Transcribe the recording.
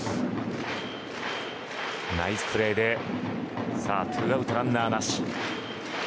ナイスプレーで２アウトランナーなし。